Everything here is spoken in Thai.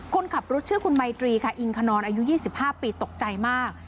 คนขับรถชื่อคุณไมตรีค่ะอิงขนอนอายุ๒๕ปีตกใจมาก